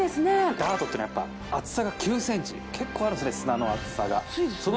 ダートっていうのはやっぱ厚さが９ｃｍ結構あるんすね砂の厚さが厚いですよね